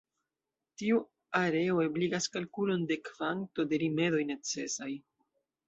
Tiu areo ebligas kalkulon de kvanto de rimedoj necesaj.